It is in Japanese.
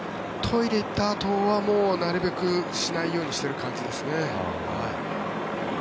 トイレ行ったあとはなるべくしないようにしている感じですね。